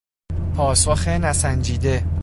پاسخ نسنجیده